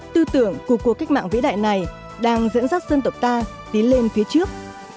tư tưởng của cuộc cách mạng vĩ đại này đang dẫn dắt dân tộc ta tiến lên phía trước